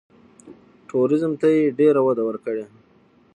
ټوریزم ته یې ډېره وده ورکړې.